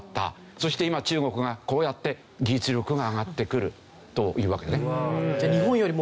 そして今中国がこうやって技術力が上がってくるというわけでね。